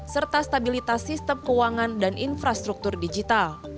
serta stabilitas sistem keuangan dan infrastruktur digital